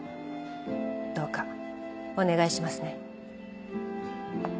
どうかお願いしますね。